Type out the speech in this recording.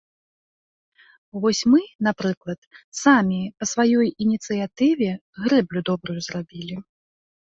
Вось мы, напрыклад, самі, па сваёй ініцыятыве, грэблю добрую зрабілі.